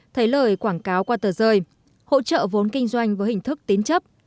thấy lời quảng cáo qua tờ rơi hỗ trợ vốn kinh doanh với hình thức tín chấp